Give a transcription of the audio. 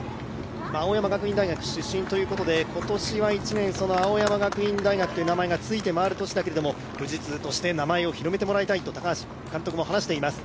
青山学院大学出身ということで、今年は１年、その青山学院大学という名前がついてまわる年だけども富士通として名前を広めてもらいたいと、高橋監督も話しています。